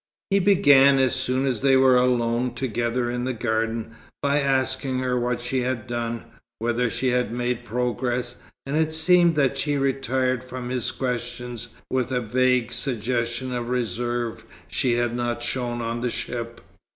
He began, as soon as they were alone together in the garden, by asking her what she had done, whether she had made progress; and it seemed that she retired from his questions with a vague suggestion of reserve she had not shown on the ship.